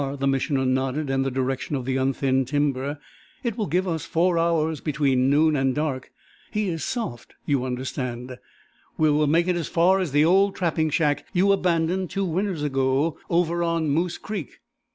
The Missioner nodded in the direction of the unthinned timber. "It will give us four hours, between noon and dark. He is soft. You understand? We will make as far as the old trapping shack you abandoned two winters ago over on Moose Creek.